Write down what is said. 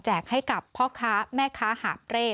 แจกให้กับพ่อค้าแม่ค้าหาเปรต